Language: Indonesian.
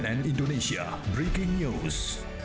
cnn indonesia breaking news